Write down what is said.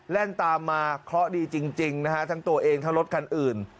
เล่นตามมาเคราะห์ดีจริงนะฮะทั้งตัวเองทั้งรถคันอื่น